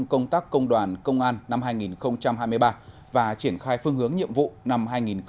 công tác công đoàn công an năm hai nghìn hai mươi ba và triển khai phương hướng nhiệm vụ năm hai nghìn hai mươi bốn